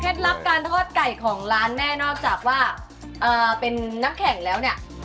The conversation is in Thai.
ลับการทอดไก่ของร้านแม่นอกจากว่าเป็นน้ำแข็งแล้วเนี่ย